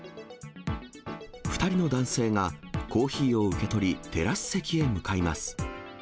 ２人の男性がコーヒーを受け取り、テラス席へ向かいます。